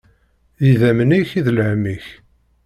D idammen-ik, i lhemm-ik.